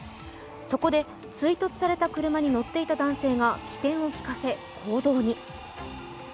そこで、追突された車に乗っていた男性が機転を利かせ行動に。